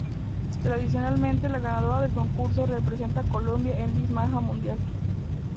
Tradicionalmente la ganadora del concurso representa a Colombia en Miss Maja Mundial.